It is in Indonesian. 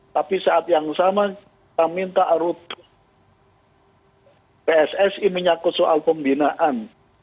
tapi saat yang sama kita minta arut pssi menyakut soal pembinaan